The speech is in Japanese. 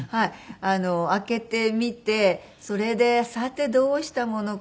開けてみてそれでさてどうしたものか。